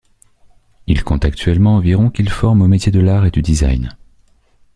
Il compte actuellement environ qu'il forme aux métiers de l'art et du design.